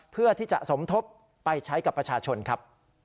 เพื่อที่จะสมทบไปใช้กับประชาชนครับ